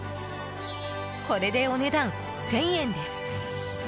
これでお値段１０００円です。